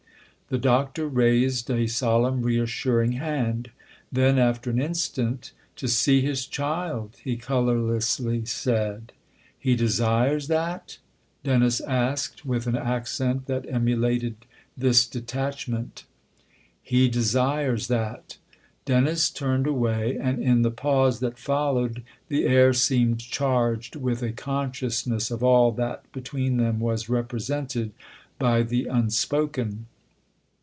" The Doctor raised a solemn, reassuring hand ; then, after an instant, " To see his child," he colour lessly said. " He desires that ?" Dennis asked with an accent that emulated this detachment. THE OTHER HOUSE 285 " He desires that." Dennis turned away, and in the pause that followed the air seemed charged with a consciousness of all that between them was repre sented by the unspoken.